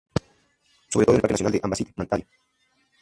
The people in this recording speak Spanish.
Sobre todo en el Parque Nacional de Andasibe-Mantadia.